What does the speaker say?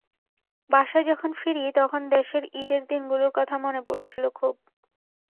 বাসায় যখন ফিরি, তখন দেশের ঈদের দিনগুলোর কথা মনে পড়ছিল খুব।